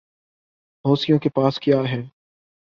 حوثیوں کے پاس کیا ہے؟